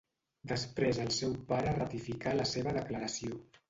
Després el seu pare ratificarà la seva declaració.